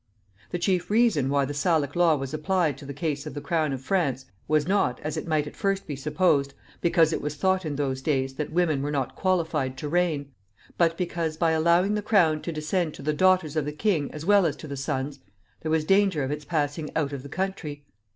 ] The chief reason why the Salic law was applied to the case of the crown of France was not, as it might at first be supposed, because it was thought in those days that women were not qualified to reign, but because, by allowing the crown to descend to the daughters of the king as well as to the sons, there was danger of its passing out of the country.